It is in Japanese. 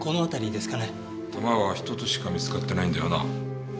弾はひとつしか見つかってないんだよな？